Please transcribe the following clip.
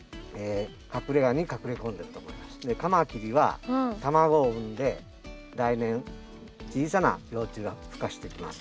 カマキリは卵を産んで来年小さな幼虫がふ化してきます。